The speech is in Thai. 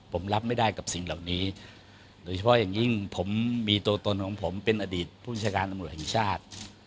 ผมรับไม่ได้กับสิ่งเหล่านี้โดยเฉพาะอย่างยิ่งผมมีตัวตนของผมเป็นอดีตผู้จัดการตำรวจแห่งชาติ